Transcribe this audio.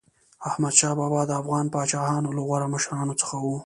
احمدشاه بابا د افغان پاچاهانو له غوره مشرانو څخه و.